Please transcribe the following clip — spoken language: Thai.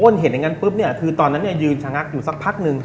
เห็นอย่างนั้นปุ๊บเนี่ยคือตอนนั้นยืนชะงักอยู่สักพักนึง